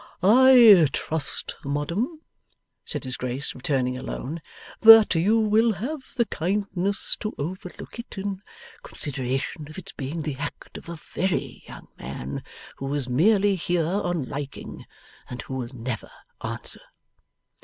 'I trust, madam,' said his Grace, returning alone, 'that you will have the kindness to overlook it, in consideration of its being the act of a very young man who is merely here on liking, and who will never answer.